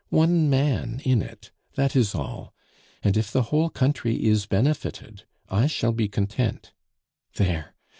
One man in it, that is all; and if the whole country is benefited, I shall be content. There!